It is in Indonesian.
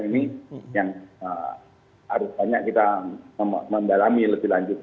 ini yang harus banyak kita mendalami lebih lanjut